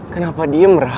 kenapa dia merah